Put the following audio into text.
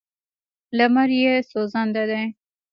لمر یې سوځنده دی.